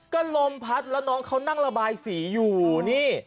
ก็ลมพัดแล้วน้องเขานั่งระบายสีอยู่นี่